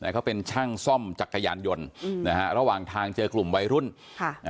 เขาเป็นช่างซ่อมจักรยานยนต์อืมนะฮะระหว่างทางเจอกลุ่มวัยรุ่นค่ะอ่า